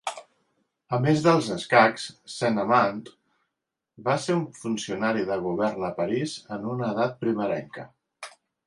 A més dels escacs, Saint-Amant va ser un funcionari de govern a París en una edat primerenca.